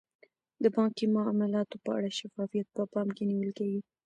د بانکي معاملاتو په اړه شفافیت په پام کې نیول کیږي.